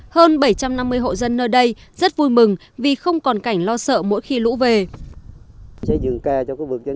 hơn bảy trăm năm mươi hộ dân nơi đây rất vui mừng vì không còn cảnh lo sợ mỗi khi lũ về